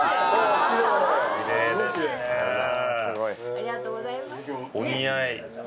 ありがとうございます。